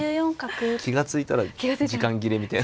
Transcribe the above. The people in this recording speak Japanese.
気が付いたら時間切れみたいな。